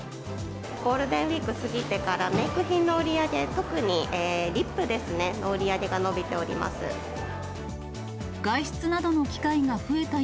ゴールデンウィーク過ぎてから、メーク品の売り上げ、特にリップですね、外出などの機会が増えた